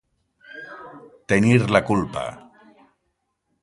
Tenir la culpa.